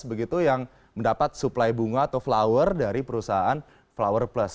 begitu yang mendapat suplai bunga atau flower dari perusahaan flower plus